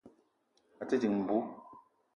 À te dìng mbú